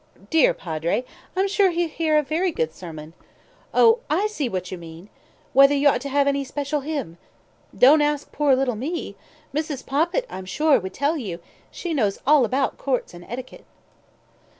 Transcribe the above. "Dear Padre, I'm sure he'll hear a very good sermon. Oh, I see what you mean! Whether you ought to have any special hymn? Don't ask poor little me! Mrs. Poppit, I'm sure, would tell you. She knows all about courts and etiquette."